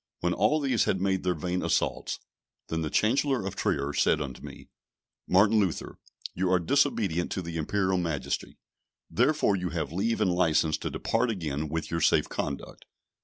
When all these had made their vain assaults, then the Chancellor of Trier said unto me, "Martin Luther, you are disobedient to the Imperial Majesty; therefore you have leave and licence to depart again with your safe conduct."